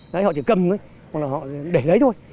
đấy họ chỉ cầm thôi hoặc là họ để đấy thôi